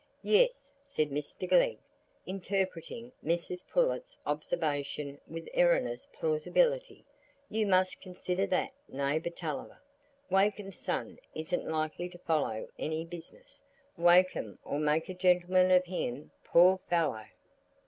"Yes," said Mr Glegg, interpreting Mrs Pullet's observation with erroneous plausibility, "you must consider that, neighbour Tulliver; Wakem's son isn't likely to follow any business. Wakem 'ull make a gentleman of him, poor fellow."